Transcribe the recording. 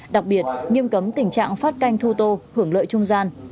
đặc biệt nghiêm cấm tình trạng phát canh thu tô hưởng lợi trung gian